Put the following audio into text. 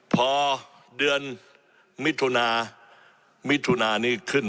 พอเดือนมิถุนามิถุนานี้ขึ้น